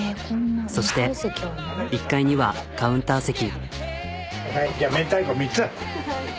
そして１階にはカウンター席。